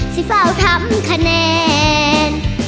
สิเฝ้าทำคะแนน